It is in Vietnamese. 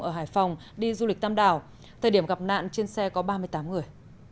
ở hải phòng đi du lịch tam đảo thời điểm gặp nạn trên xe có ba mươi tám người